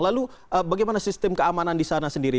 lalu bagaimana sistem keamanan di sana sendiri